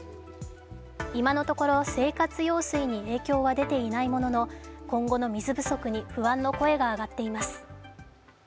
今のところ生活用水に影響は出ていないものの今後の水不足に不安の声が上がっています。